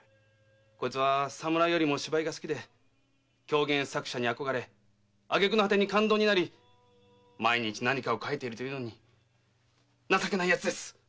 こいつは侍よりも芝居が好きで狂言作者に憧れあげくのはてに勘当になり毎日何かを書いているというのに情けない奴です！